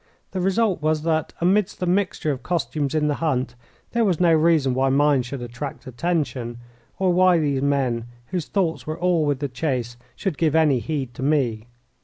The result was that, amidst the mixture of costumes in the hunt, there was no reason why mine should attract attention, or why these men, whose thoughts were all with the chase, should give any heed to me.